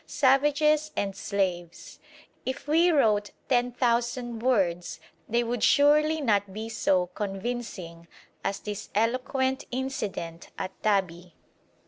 Savages and slaves! If we wrote ten thousand words they would surely not be so convincing as this eloquent incident at Tabi.